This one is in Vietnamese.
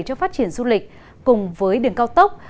cho phát triển du lịch cùng với đường cao tốc